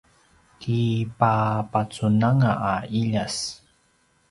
kipapacunanga a ’iljas